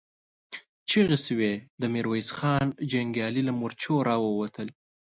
چيغې شوې، د ميرويس خان جنګيالي له مورچو را ووتل.